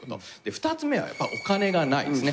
２つ目はやっぱお金がないですね。